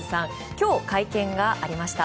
今日、会見がありました。